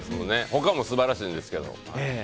他も素晴らしいですけど。